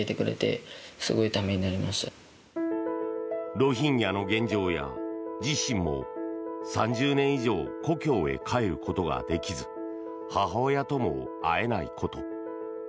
ロヒンギャの現状や自身も３０年以上故郷へ帰ることができず母親とも会えないこと。